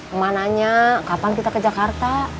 emak nanya kapan kita ke jakarta